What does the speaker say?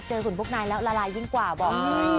หุ่นพวกนายแล้วละลายยิ่งกว่าบอก